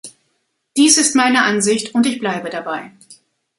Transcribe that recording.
Dies ist meine Ansicht, und ich bleibe dabei.